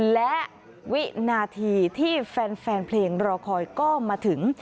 และวินาทีที่แฟนเพลงรอคอยก็มาถึง